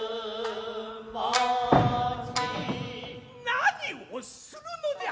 何をするのじゃ。